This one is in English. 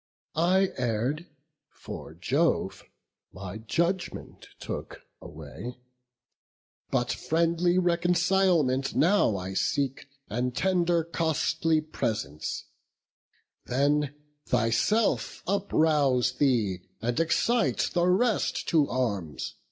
I err'd, for Jove my judgment took away; But friendly reconcilement now I seek, And tender costly presents; then thyself Uprouse thee, and excite the rest to arms.